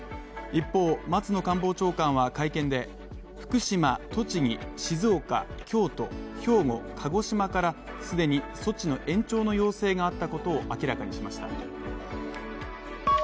一方、松野官房長官は会見で、福島、栃木、静岡、京都、兵庫、鹿児島から既に措置の延長の要請があったことを明らかにしました。